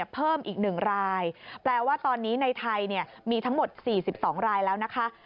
เพิ่มอีก๑รายแปลว่าตอนนี้ในไทยมีทั้งหมด๔๒รายแล้วนะคะ